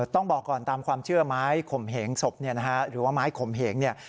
ต้องบอกก่อนตามความเชื่อไม้ขมเหงศพหรือว่าไม้ขมเหง